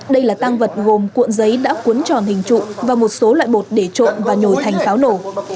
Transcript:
đây là tang vật gồm cuộn giấy đã cuốn tròn hình trụ và một số loại bột để trộm và nhồi thành pháo nổ